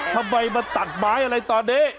ทำไมมาตัดไม้อะไรตอนนี้